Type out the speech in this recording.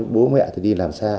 bố mẹ đi làm xa